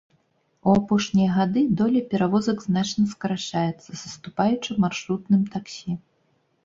У апошнія гады доля перавозак значна скарачаецца, саступаючы маршрутным таксі.